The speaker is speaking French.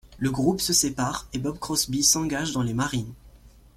Le groupe se sépare, et Bob Crosby s'engage dans les Marines.